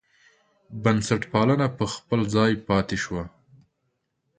بنسټپالنه پر خپل ځای پاتې شوه.